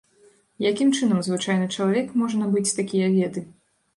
Якім чынам звычайны чалавек можа набыць такія веды?